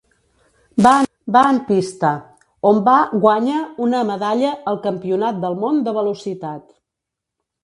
Va en pista, on va guanya una medalla al Campionat del món de Velocitat.